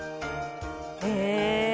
へえ！